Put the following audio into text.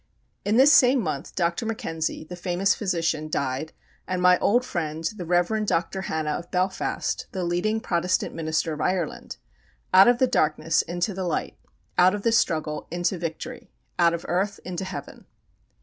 In this same month Dr. Mackenzie, the famous physician, died, and my old friend, the Rev. Dr. Hanna of Belfast, the leading Protestant minister of Ireland. Out of the darkness into the light; out of the struggle into victory; out of earth into Heaven!